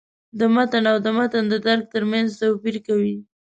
د «متن» او «د متن د درک» تر منځ توپیر کوي.